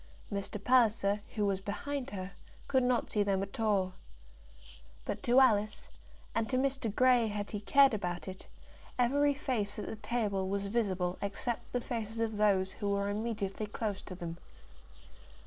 Mr. Palliser, who was behind her, could not see them at all. But to Alice, and to Mr. Grey, had he cared about it, every face at the table was visible except the faces of those who were immediately close to them.